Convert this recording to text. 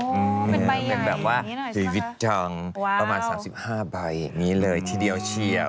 เป็นใบใหญ่เห็นไหมสักครั้งเว้ยอเรนนี่แบบว่าพิวิชจังประมาณ๓๕ใบนี้เลยทีเดียวเชี่ยว